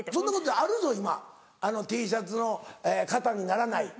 あるぞ今Ｔシャツの形にならない。